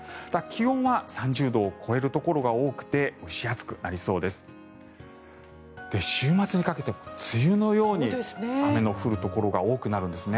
気温は３０度を超えるところが多くて蒸し暑くなりそうです。